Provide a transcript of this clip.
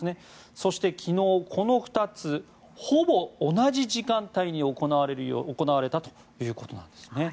そして昨日、この２つほぼ同じ時間帯に行われたということなんです。